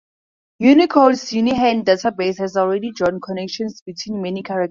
Unicode's Unihan database has already drawn connections between many characters.